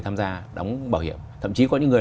tham gia đóng bảo hiểm thậm chí có những người